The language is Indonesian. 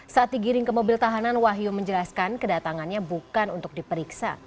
saat digiring ke mobil tahanan wahyu menjelaskan kedatangannya bukan untuk diperiksa